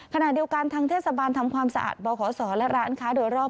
ขณะเดียวกันทางเทศบาลทำความสะอาดบขศและร้านค้าโดยรอบ